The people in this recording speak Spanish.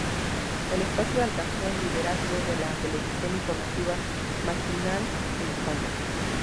El espacio alcanzó el liderazgo de la televisión informativa matinal en España.